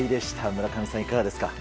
村上さん、いかがですか？